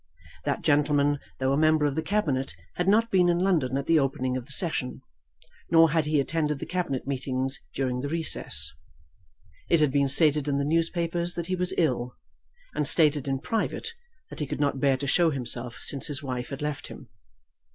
That gentleman, though a member of the Cabinet, had not been in London at the opening of the session, nor had he attended the Cabinet meetings during the recess. It had been stated in the newspapers that he was ill, and stated in private that he could not bear to show himself since his wife had left him.